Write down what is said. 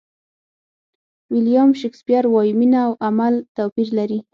ویلیام شکسپیر وایي مینه او عمل توپیر لري.